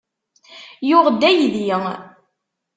Yuɣ-d aydi.